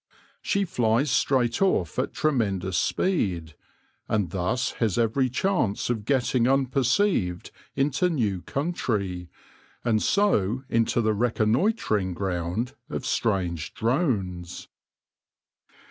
She flies straight off at tremendous speed, and thus has every chance of getting unperceived into new country, and so into the reconnoitring ground of strange drones.